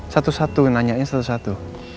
satu satu nanya satu satu